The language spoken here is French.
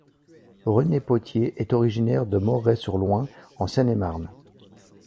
René Pottier est originaire Moret-sur-Loing en Seine-et-Marne.